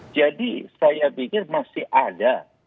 jadi saya pikir masih ada